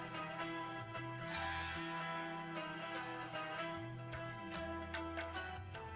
di negara luar